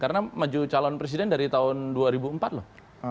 karena maju calon presiden dari tahun dua ribu empat loh